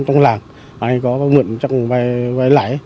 trong làng ai có vây mượn chắc cũng vây lại